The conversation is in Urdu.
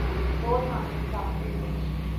وہ نا انصافی ہے